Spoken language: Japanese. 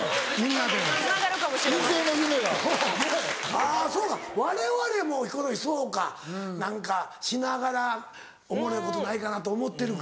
あぁそうかわれわれもヒコロヒーそうか何かしながらおもろいことないかな？と思ってるか。